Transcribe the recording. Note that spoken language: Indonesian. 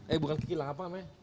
eh bukan ke kilang apa